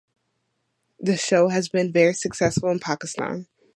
The show has been very successful in Pakistan.